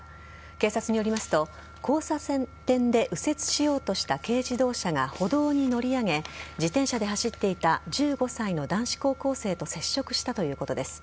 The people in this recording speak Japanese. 警察によりますと交差点で右折しようとした軽自動車が歩道に乗り上げ自転車で走っていた１５歳の男子高校生と接触したということです。